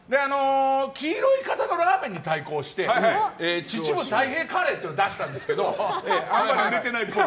黄色い方のラーメンに対抗してたい平カレーというのを出したんですけどあんまり売れてないっぽい。